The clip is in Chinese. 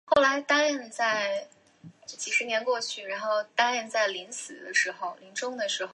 罗马宪法随着时间的流逝演变。